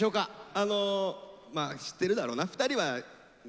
あのまあ知ってるだろうな。